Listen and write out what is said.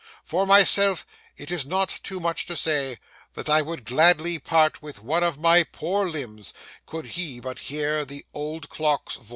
For myself, it is not too much to say that I would gladly part with one of my poor limbs, could he but hear the old clock's voice.